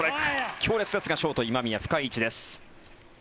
強烈ですがショート、今宮深い位置です。